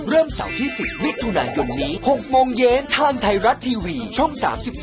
เริ่มเสาร์ที่๑๐วิทยุนายน๖โมงเย็นทางไทยรัตน์ทีวีช่อง๓๒